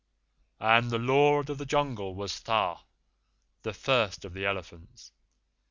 "And the Lord of the Jungle was Tha, the First of the Elephants.